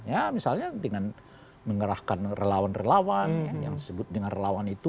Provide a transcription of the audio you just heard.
ya misalnya dengan mengerahkan relawan relawan yang disebut dengan relawan itu